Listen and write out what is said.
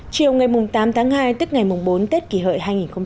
chiều ngày tám tháng hai tức ngày bốn tết kỷ hợi hai nghìn một mươi chín